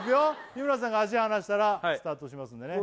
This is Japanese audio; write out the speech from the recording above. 日村さんが足離したらスタートしますんでね